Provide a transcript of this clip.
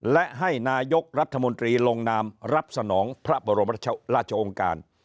และให้นายกรัฐมนตรีลงนามรับสนองพระบรมราชองค์การ